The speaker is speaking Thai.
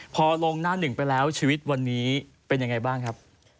พอลงหน้าหนึ่งไปแล้วชีวิตวันนี้เป็นยังไงบ้างครับ